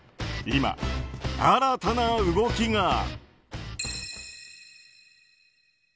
今、新たな動きが。